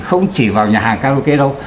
không chỉ vào nhà hàng karaoke đâu